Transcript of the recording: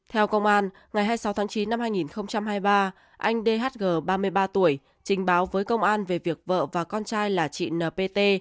theo công an ngày hai mươi sáu tháng chín năm hai nghìn hai mươi ba anh dhg ba mươi ba tuổi trình báo với công an về việc vợ và con trai là chị npt